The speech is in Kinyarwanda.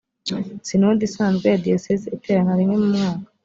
sinode isanzwe ya diyoseze iterana rimwe mu mwaka.